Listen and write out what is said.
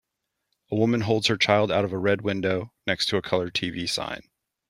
A woman holds her child out of a red window, next to a Color TV sign.